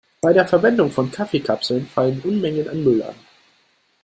Bei der Verwendung von Kaffeekapseln fallen Unmengen an Müll an.